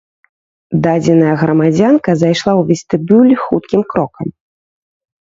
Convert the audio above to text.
Дадзеная грамадзянка зайшла ў вестыбюль хуткім крокам.